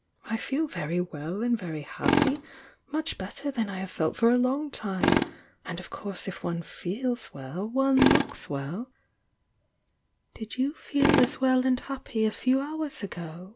"I feel very well and very happy— much better than I have felt for a long time— and of course if one feels well one looks well " "Did you feel as well and happy a few hours ago.